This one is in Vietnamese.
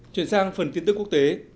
chuyển sang phần tin tức quốc tế